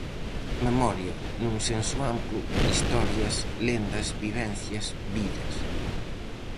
Memoria nun senso amplo: historias, lendas, vivencias, vidas...